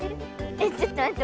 えちょっとまって。